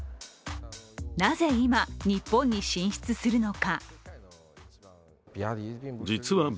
なぜ今、日本に進出するのか。